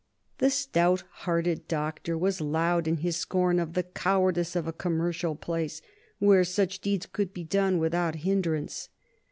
The stout hearted Doctor was loud in his scorn of "the cowardice of a commercial place," where such deeds could be done without hinderance.